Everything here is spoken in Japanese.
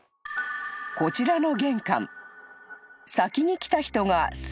［こちらの玄関］